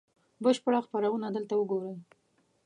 بشپړه خپرونه دلته وګورئ